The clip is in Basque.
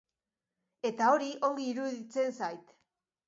Eta hori ongi iruditzen zait.